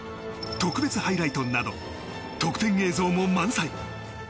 特別ハイライトなど特典映像も満載。